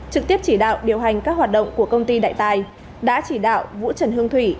trực tiếp chỉ đạo điều hành các hoạt động của công ty đại tài đã chỉ đạo vũ trần hương thủy